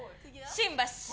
新橋！